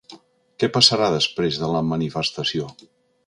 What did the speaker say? Què passarà després de la manifestació?